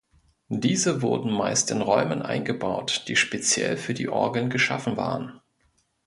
Diese wurden meist in Räumen eingebaut, die speziell für die Orgeln geschaffen waren.